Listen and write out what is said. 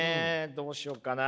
どうしようかな。